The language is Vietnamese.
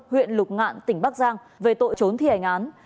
huyện lục ngạn tỉnh bắc giang về tội trốn thi hành án